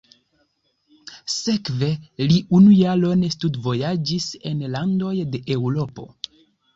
Sekve li unu jaron studvojaĝis en landoj de Eŭropo.